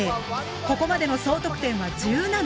ここまでの総得点は１７。